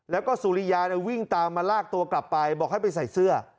แล้วก็สุริยาวิ่งตามมาลากตัวกลับไปบอกให้ไปใส่เสื้อ